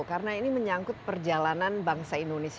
karena ini menyangkut perjalanan bangsa indonesia